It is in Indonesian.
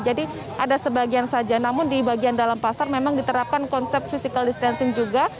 jadi ada sebagian saja namun di bagian dalam pasar memang diterapkan konsep physical distancing juga